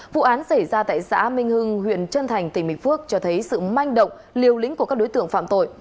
vụ án xảy ra tại xã minh hưng huyện trân thành tỉnh bình phước cho thấy sự manh động liều lĩnh của các đối tượng phạm tội